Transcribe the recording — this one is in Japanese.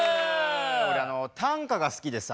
俺短歌が好きでさ。